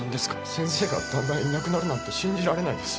先生がだんだんいなくなるなんて信じられないです。